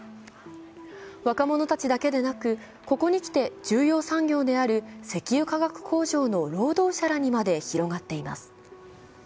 若者たちだけでなく、ここに来て重要産業である石油化学工場の労働者らにまで広がっています。